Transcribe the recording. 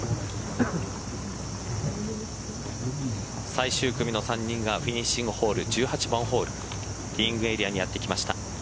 最終組の３人がフィニッシングボール１８番ホールティーイングエリアにやってきました。